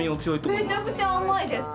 めちゃくちゃ甘いです。